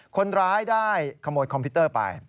คนร้ายได้ขโมยคอมพิวเตอร์ไป